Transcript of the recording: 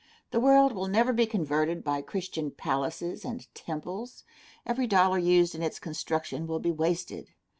The world will never be converted by Christian palaces and temples. Every dollar used in its construction will be wasted.